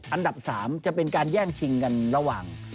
อันดับ๓จะเป็นการแย่งชิงกันระหว่าง